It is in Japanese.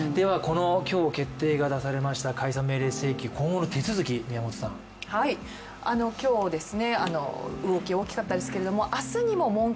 今日決定を出されました解散命令請求、今後の手続きです。